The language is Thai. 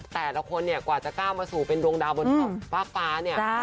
แต่ละคนเนี่ยกว่าจะก้าวมาสู่เป็นดวงดาวบนฟากฟ้าเนี่ย